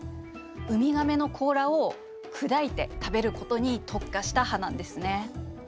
ウミガメの甲羅を砕いて食べることに特化した歯なんですね。